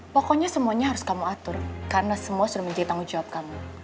pokoknya semuanya harus kamu atur karena semua sudah menjadi tanggung jawab kami